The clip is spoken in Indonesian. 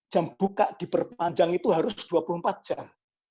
jam buka diperpanjang itu harus dua puluh empat jam